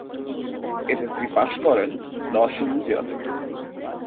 SSC পাশ করেন নরসিংদী জেলা থেকে।